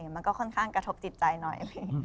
มันก็ค่อนข้างกระทบจิตใจหน่อยพี่